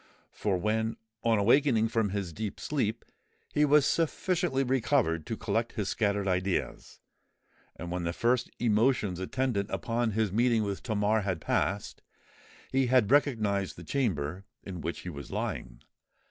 For when, on awaking from his deep sleep, he was sufficiently recovered to collect his scattered ideas,—and when the first emotions attendant upon his meeting with Tamar had passed,—he had recognised the chamber in which he was lying.